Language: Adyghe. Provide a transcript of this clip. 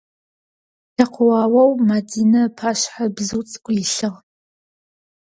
Лъэкъуаоу Мэдинэ ыпашъхьэ бзыу цӏыкӏу илъыгъ.